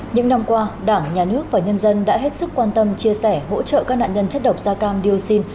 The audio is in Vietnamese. những năm qua đảng nhà nước và nhân dân đã hết sức quan tâm chia sẻ hỗ trợ các nạn nhân chất độc da cam dioxin